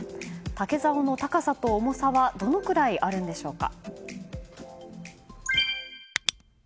竹ざおの高さと重さはどのくらいあるのでしょうか。